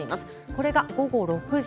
これが午後６時。